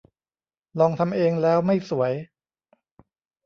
ลองทำเองแล้วไม่สวย